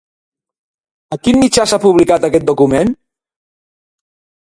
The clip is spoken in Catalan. A quin mitjà s'ha publicat aquest document?